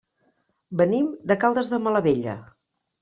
Venim de Caldes de Malavella.